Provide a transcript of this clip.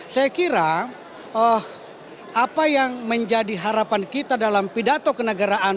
saya kira apa yang menjadi harapan kita dalam pidato kenegaraan